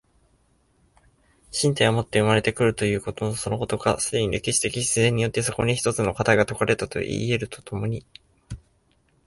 身体をもって生まれて来るということそのことが、既に歴史的自然によってそこに一つの課題が解かれたといい得ると共に